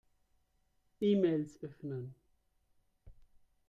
E-Mails öffnen.